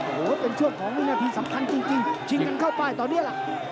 โอ้โหเป็นช่วงของวินาทีสำคัญจริงชิงกันเข้าป้ายตอนนี้ล่ะ